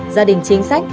gia đình chính sách